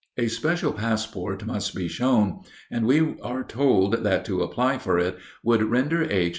A special passport must be shown, and we are told that to apply for it would render H.